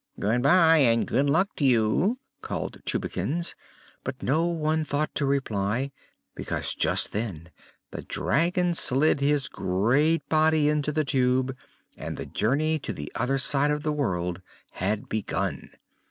"Good bye, and good luck to you!" called Tubekins; but no one thought to reply, because just then the dragon slid his great body into the Tube and the journey to the other side of the world had begun.